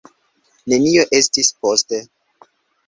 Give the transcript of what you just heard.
Nenio estis poste.